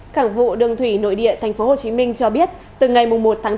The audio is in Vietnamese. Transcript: cảng vụ đường thủy nội địa tp hcm cho biết từ ngày một tháng bốn